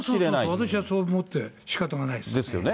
私はそう思ってしかたがないですよね。